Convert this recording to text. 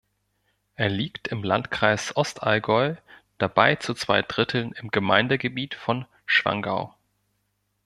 Er liegt im Landkreis Ostallgäu, dabei zu zwei Dritteln im Gemeindegebiet von Schwangau.